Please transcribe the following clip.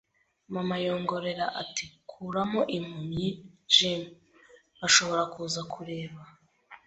Mama yongorera ati: “Kuramo impumyi, Jim!” “Bashobora kuza kureba